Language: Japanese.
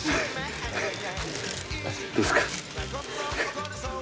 どうですか？